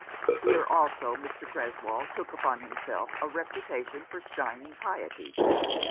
Here also Mr. Greswold took upon himself a reputation for shining piety.